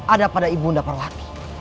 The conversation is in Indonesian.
ada pada ibunda perwati